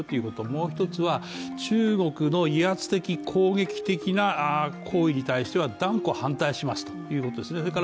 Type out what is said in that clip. もう一つは中国の威圧的攻撃的な行為に対しては断固反対しますということですね。